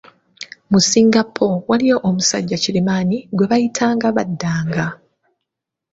Mu Singapo waaliyo omusajja kirimaanyi gwe baayitanga Badanga.